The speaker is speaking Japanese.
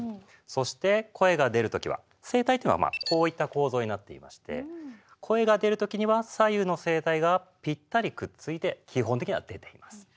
そして声が出るときは声帯というのはこういった構造になっていまして声が出るときには左右の声帯がぴったりくっついて基本的には出ています。